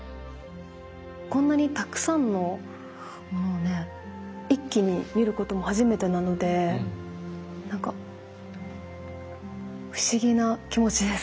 こんなにたくさんのものをね一気に見ることも初めてなのでなんか不思議な気持ちです。